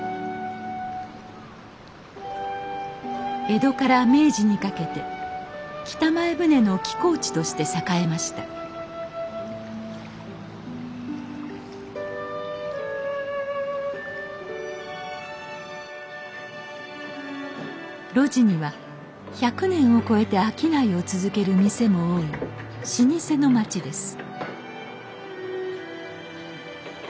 江戸から明治にかけて北前船の寄港地として栄えました路地には１００年を超えて商いを続ける店も多い老舗の町です